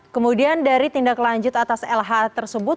kemudian dari tindak lanjut atas lh tersebut